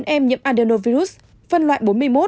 một mươi bốn em nhiễm adenovirus phân loại bốn mươi một